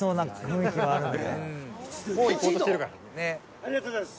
ありがとうございます。